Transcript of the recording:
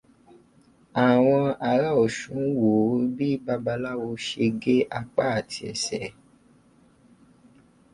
Àwọn ará Ọ̀sun wòó bí Babaláwo ṣe gé apá àti ẹsẹ̀ ẹ̀